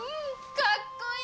かっこいい！